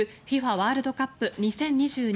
ワールドカップ２０２２